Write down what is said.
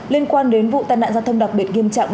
liên quan đến vụ tai nạn giao thông đặc biệt nghiêm trọng